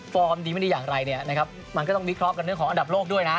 ดีไม่ดีอย่างไรเนี่ยนะครับมันก็ต้องวิเคราะห์กันเรื่องของอันดับโลกด้วยนะ